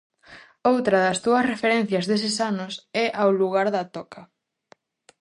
Outra das túas referencias deses anos é ao lugar da Toca.